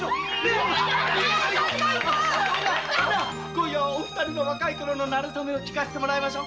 今夜はお二人の若いころのナレソメを聞かせてもらいましょ。